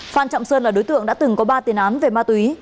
phan trọng sơn là đối tượng đã từng có ba tiền án về ma túy